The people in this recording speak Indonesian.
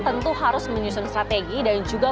tentu harus menyusun strategi dan juga